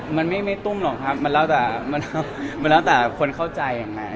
มันไม่ตุ้มหรอกครับมันแล้วแต่คนเข้าใจอย่างไง